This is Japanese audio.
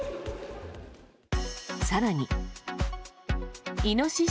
更に。